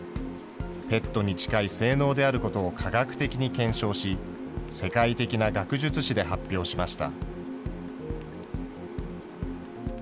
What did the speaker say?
ＰＥＴに近い性能であることを科学的に検証し、世界的な学術誌で発表しました。